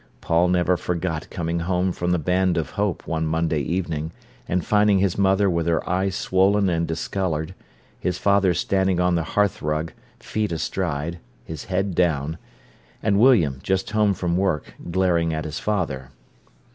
Paul never forgot coming home from the Band of Hope one Monday evening and finding his mother with her eye swollen and discoloured, his father standing on the hearthrug, feet astride, his head down, and William, just home from work, glaring at his father.